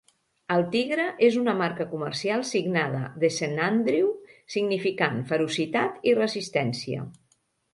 El tigre és una marca comercial signada de Saint Andrew, significant ferocitat i resistència.